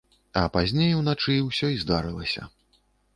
А пазней, уначы, усё і здарылася.